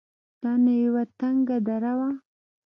دا نو يوه تنگه دره وه.